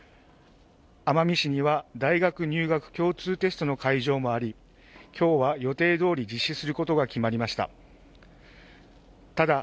奄美市には大学入学共通テストの会場もあり、今日は予定どおり実施することが決まりました。